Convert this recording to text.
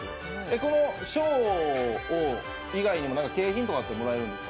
この賞以外にも景品とかってもらえるんですか？